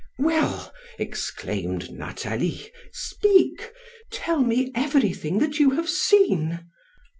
"Well," exclaimed Nathalie, "speak! Tell me everything that you have seen!"